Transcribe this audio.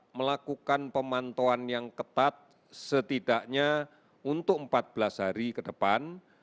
melakukan pemantauan yang ketat setidaknya untuk empat belas hari ke depan